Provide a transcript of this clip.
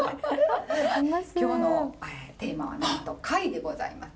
今日のテーマはなんと「貝」でございます。